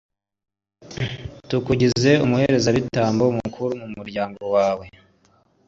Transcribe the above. tukugize umuherezabitambo mukuru w'umuryango wawe